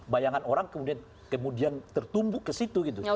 bayangan orang kemudian tertumbuk ke situ gitu